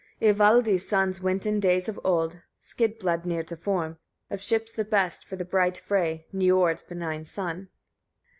43. Ivaldi's sons went in days of old Skidbladnir to form, of ships the best, for the bright Frey, Niörd's benign son.